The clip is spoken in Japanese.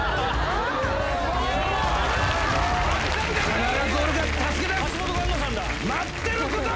必ず俺が助け出す。